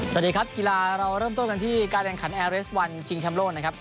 สวัสดีครับกีฬาเราเริ่มต้นกันที่การแข่งขันแอร์เรสวันชิงแชมป์โลกนะครับ